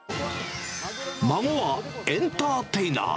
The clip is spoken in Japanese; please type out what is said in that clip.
孫はエンターテイナー。